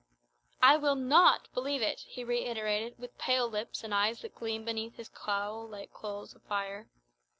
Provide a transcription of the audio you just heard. "I will not believe it," he reiterated, with pale lips, and eyes that gleamed beneath his cowl like coals of fire.